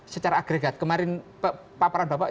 secara agregat kemarin paparan bapak